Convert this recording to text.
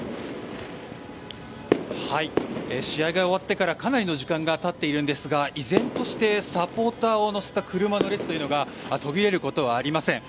試合が終わってからかなりの時間がたっているんですが依然としてサポーターを乗せた車の列というのが途切れることはありません。